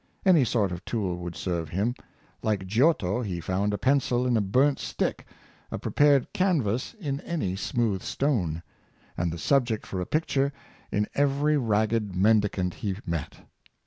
Any sort of tool would serve him; like Giotto, he found a pencil in a burnt stick, a pre pared canvas in any smooth stone, and the subject for a picture in every ragged mendicant he met.